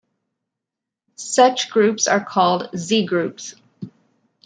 Such groups are called Z-groups.